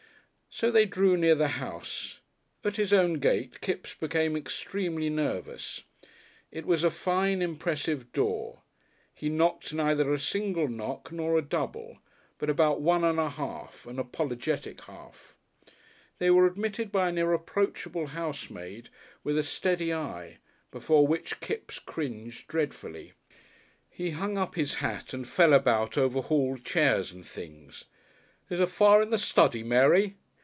So they drew near the house. At his own gate Kipps became extremely nervous. It was a fine, impressive door. He knocked neither a single knock nor a double, but about one and a half an apologetic half. They were admitted by an irreproachable housemaid, with a steady eye, before which Kipps cringed dreadfully. He hung up his hat and fell about over hall chairs and things. "There's a fire in the study, Mary?"